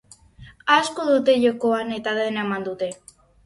Asko dute jokoan eta dena eman dute.